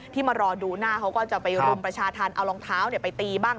มารอดูหน้าเขาก็จะไปรุมประชาธรรมเอารองเท้าไปตีบ้าง